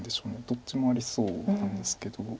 どっちもありそうなんですけど。